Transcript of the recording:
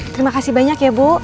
terima kasih banyak ya bu